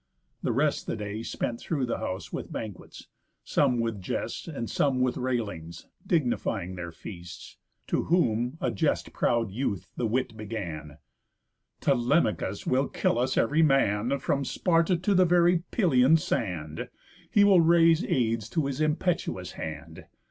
The rest the day Spent through the house with banquets; some with jests, And some with railings, dignifying their feasts. To whom a jest proud youth the wit began: "Telemachus will kill us ev'ry man. From Sparta, to the very Pylian sand, He will raise aids to his impetuous hand.